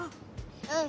うん。